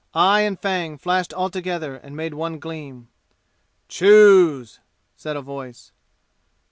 Eye and fang flashed altogether and made one gleam. "Choose!" said a voice.